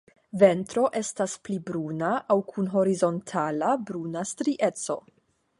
Ventro estas pli bruna aŭ kun horizontala bruna strieco.